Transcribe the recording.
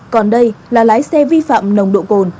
còn đây là lái xe vi phạm nồng độ cồn